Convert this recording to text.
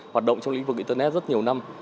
hoạt động trong lĩnh vực internet rất nhiều năm